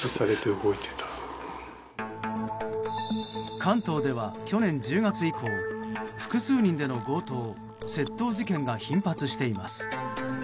関東では去年１０月以降複数人での強盗・窃盗事件が頻発しています。